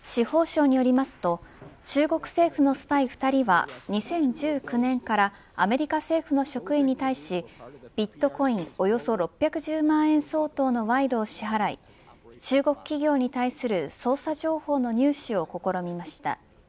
司法省によりますと中国政府のスパイ２人は２０１９年からアメリカ政府の職員に対しビットコインおよそ６１０万円相当の賄賂を支払い、中国企業に対する捜査情報の入手を試みました。